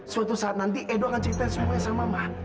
suatu saat nanti edo akan ceritain semuanya sama mama